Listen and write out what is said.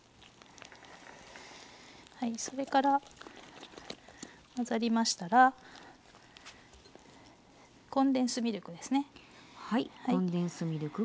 それから混ざりましたらコンデンスミルクですね。